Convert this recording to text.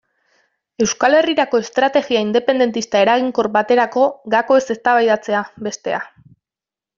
Euskal Herrirako estrategia independentista eraginkor baterako gakoez eztabaidatzea, bestea.